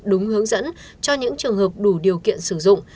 đúng hướng dẫn cho những trường hợp đủ điều kiện sử dụng